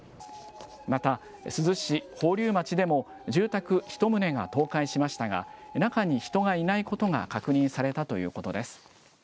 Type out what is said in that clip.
また珠洲市宝立町でも住宅１棟が倒壊しましたが、中に人がいないことが確認されたということです。